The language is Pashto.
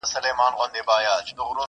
امر دی د پاک یزدان ګوره چي لا څه کیږي!